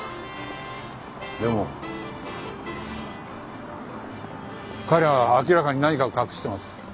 でも彼は明らかに何かを隠してます。